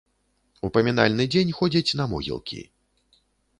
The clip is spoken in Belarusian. У памінальны дзень ходзяць на могілкі.